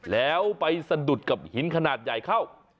แล้วไปสะดุดกับหินขนาดใหญ่เข้า